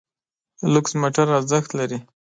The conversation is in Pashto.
لوکس موټر ارزښت لري.